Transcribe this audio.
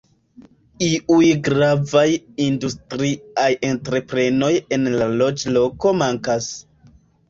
Iuj gravaj industriaj entreprenoj en la loĝloko mankas.